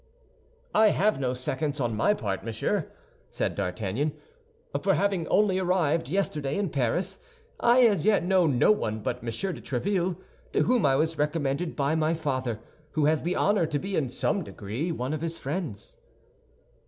"I have no seconds on my part, monsieur," said D'Artagnan; "for having only arrived yesterday in Paris, I as yet know no one but Monsieur de Tréville, to whom I was recommended by my father, who has the honor to be, in some degree, one of his friends."